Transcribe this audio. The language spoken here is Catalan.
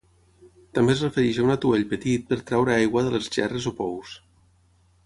També es refereix a un atuell petit per treure aigua de les gerres o pous.